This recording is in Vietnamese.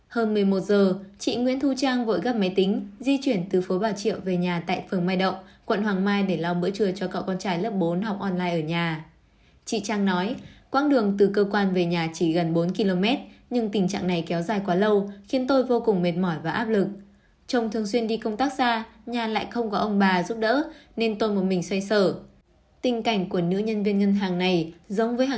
hơn một mươi một h chị nguyễn thu trang vội gấp máy tính di chuyển từ phố bảo triệu về nhà tại phường mai động quận hoàng mai để lau bữa trưa cho cậu con trai lớp bốn học online ở nhà